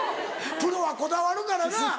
プロはこだわるからな。